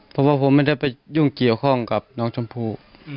เพราะว่าผมไม่ได้ไปยุ่งเกี่ยวข้องกับน้องชมพู่